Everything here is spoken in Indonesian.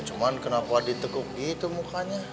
cuma kenapa ditekuk gitu mukanya